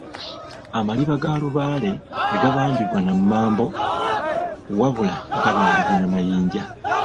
Amaliba ga Lubaale tegabambibwa na mmambo wabula gabambibwa na mayinja.